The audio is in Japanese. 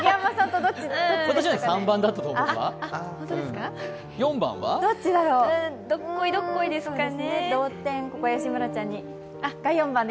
どっこいどっこいですかね。